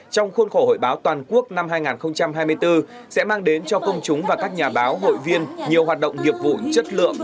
trong khuôn khổ hội báo toàn quốc năm hai nghìn hai mươi bốn sẽ mang đến cho công chúng và các nhà báo hội viên nhiều hoạt động nghiệp vụ chất lượng